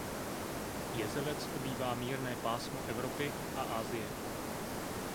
Jezevec obývá mírné pásmo Evropy a Asie.